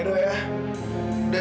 udah jangan lupa